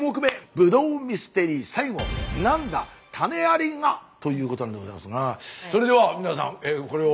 ブドウミステリー最後。ということなんでございますがそれでは皆さんこれを。